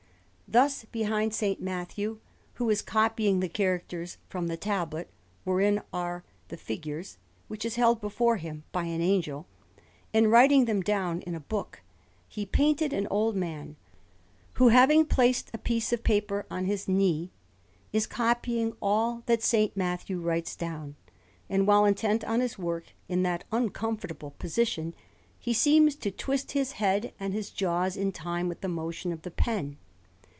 Thus, behind S. Matthew, who is copying the characters from the tablet wherein are the figures (which is held before him by an angel), and writing them down in a book, he painted an old man who, having placed a piece of paper on his knee, is copying all that S. Matthew writes down; and while intent on his work in that uncomfortable position, he seems to twist his head and his jaws in time with the motion of the pen.